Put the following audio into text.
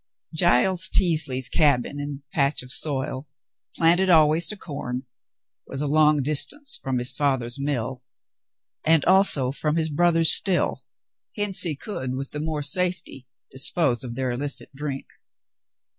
Giles Teasley's cabin and patch of soil, planted always to corn, was a long distance from his father's mill, and also from his brother's still, hence he could with the more safety dispose of their illicit drink.